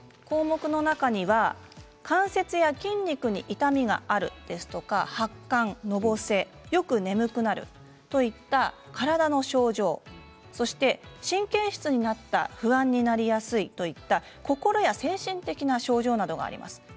項目の中には関節や筋肉に痛みがあるですとか発汗、のぼせよく眠くなるといった体の症状そして神経質になった不安になりやすいといった心や精神的な症状などがあります。